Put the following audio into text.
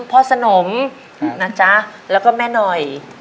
สนมนะจ๊ะแล้วก็แม่หน่อย